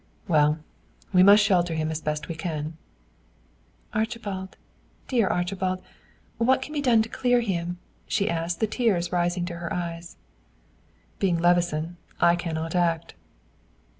"Well, we must shelter him as best we can." "Archibald dear Archibald, what can be done to clear him?" she asked, the tears rising to her eyes. "Being Levison, I cannot act."